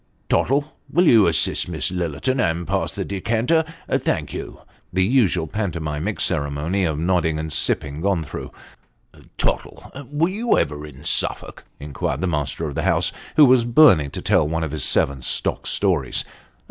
" Tottle, will you assist Miss Lillerton, and pass the decanter. Thank you." (The usual pantomimic ceremony of nodding and sipping gone through) " Tottle, were you ever in Suffolk ?" inquired the master of the house, who was burning to tell one of his seven stock stories.